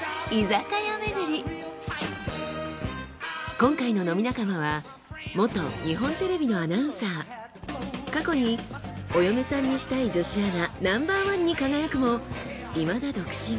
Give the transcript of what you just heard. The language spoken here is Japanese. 今回の飲み仲間は元日本テレビのアナウンサー過去にお嫁さんにしたい女子アナナンバーワンに輝くもいまだ独身。